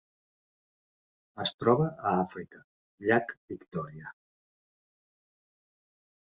Es troba a Àfrica: llac Victòria.